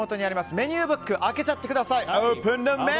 メニューブック開けちゃってください。